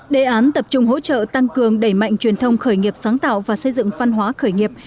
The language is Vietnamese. đề án tập trung hỗ trợ tăng cường đẩy mạnh truyền thông khởi nghiệp sáng tạo và xây dựng văn hóa khởi nghiệp